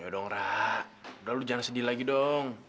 ayo dong rah udah lu jangan sedih lagi dong